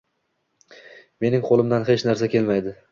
Mening qo’limdan hech narsa kelmaydi.